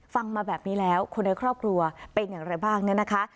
มาแบบนี้แล้วคนในครอบครัวเป็นอย่างไรบ้างเนี่ยนะคะ